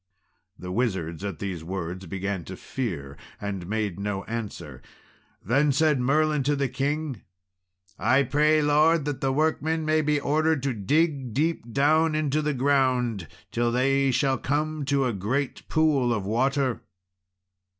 The wizards at these words began to fear, and made no answer. Then said Merlin to the king "I pray, Lord, that workmen may be ordered to dig deep down into the ground till they shall come to a great pool of water."